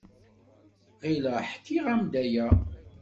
Ɣileɣ ḥkiɣ-am-d aya.